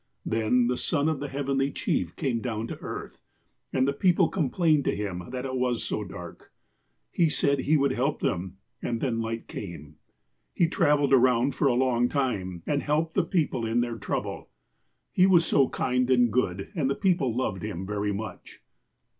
Then, the sou of the Heavenly Chief came down to earth, and the people com plained to him that it was so dark. He said he would help them, and then light came. He travelled around for a long time, and helped the people in their trouble. 108 THE SON OF THE HEAVENLY CHIEF 109 He was so kind and good, and the people loved him very much."